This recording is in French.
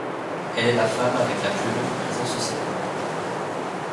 Elle est la femme avec la plus longue présence au Sénat.